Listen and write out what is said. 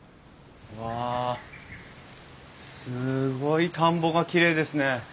わあすごい田んぼがきれいですね。